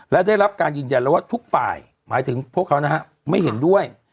และได้รับการยืนยันแล้วว่าทุกฝ่ายหมายถึงพวกเขานะฮะไม่เห็นด้วย